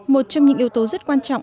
một trong những yếu tố rất quan trọng